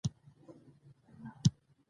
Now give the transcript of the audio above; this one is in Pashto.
زما حولی باد ويوړه